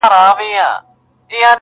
کرې شپه وایو سندري سپېدې وچوي رڼا سي!